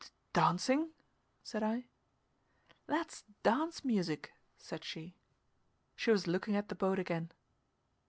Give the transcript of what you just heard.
"D d dancing?" said I. "That's dance music," said she. She was looking at the boat again.